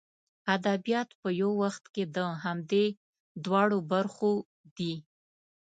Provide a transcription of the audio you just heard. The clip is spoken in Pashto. ادبیات په یو وخت کې د همدې دواړو برخو دي.